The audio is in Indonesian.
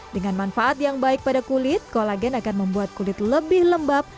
dengan manfaat yang baik pada kulit kolagen akan membuat kulit lebih lembab